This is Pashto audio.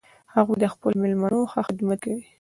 هغوی د خپلو میلمنو ښه خدمت کوي